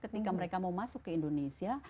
ketika mereka mau masuk ke indonesia